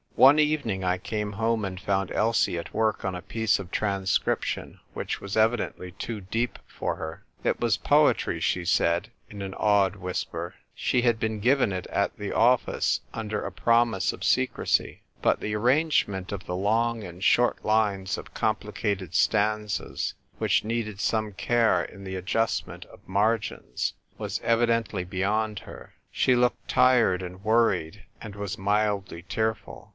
One evening I came home and found Elsie at work on a piece of transcription which was evidently too deep for her. It was poetr}', she said, in an awed whisper : she had been given it at the office under a promise of secrecy. But the arrangement of the long and short lines of complicated stanzas, which needed some care in the adjustment of margins, was evidently beyond her. She looked tired and worried, and was mildly tearful.